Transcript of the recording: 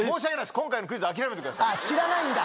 今回のクイズ諦めてください。